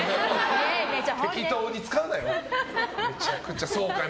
適当に使うなよ！